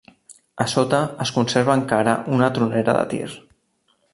A sota es conserva encara una tronera de tir.